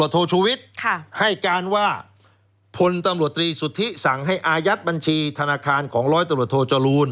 โตรีสุธิสั่งให้อายัดบัญชีธนาคารของร้อยตรวจโทจรูล